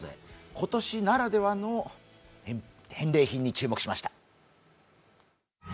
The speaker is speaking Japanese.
今年ならではの返礼品に注目しました。